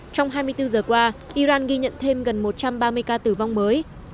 trong hai mươi bốn giờ qua iran ghi nhận thêm gần một trăm ba mươi ca tử vong mới